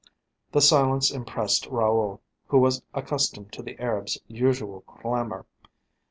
The silence impressed Raoul, who was accustomed to the Arab's usual clamour.